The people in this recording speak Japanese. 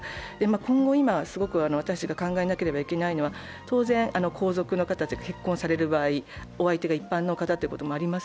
今後、すごく私たちが考えなければいけないのは、当然、皇族の方が結婚される場合、お相手が一般の方ということもあり得ます。